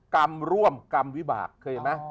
กรรมร่วมกรรมวิบากเคยมั้ย